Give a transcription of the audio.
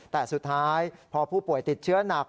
แต่สุดท้ายพอผู้ป่วยติดเชื้อหนัก